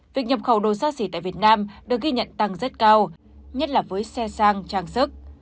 định nhập khẩu đồ sát sỉ tại việt nam được ghi nhận tăng rất cao nhất là với xe sang trang sức